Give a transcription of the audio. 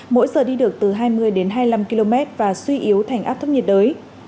mỗi giờ đi được từ hai mươi hai mươi năm km và suy yếu thành áp thấp nhiệt đới